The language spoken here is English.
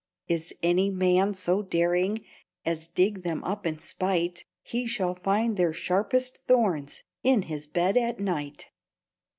Is any man so daring As dig them up in spite, He shall find their sharpest thorns In his bed at night.